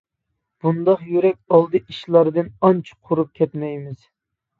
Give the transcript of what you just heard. بۇنداق يۈرەك ئالدى ئىشلاردىن ئانچە قورقۇپ كەتمەيمىز.